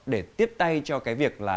để tiếp tay cho cái việc là